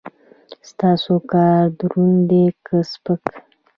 ستاسو کار دروند دی که سپک؟